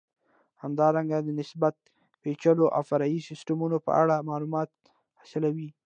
همدارنګه د نسبتا پېچلو او فرعي سیسټمونو په اړه معلومات حاصلوئ.